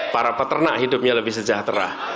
para peternak hidupnya lebih sejahtera